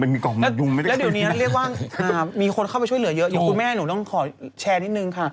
แล้วเดี๋ยวนี้เรียกว่ามีคนเข้าไปช่วยเหลือเยอะอยู่คุณแม่หนูต้องขอแชร์นิดนึงค่ะ